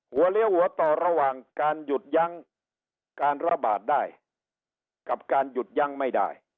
เลี้ยวหัวต่อระหว่างการหยุดยั้งการระบาดได้กับการหยุดยั้งไม่ได้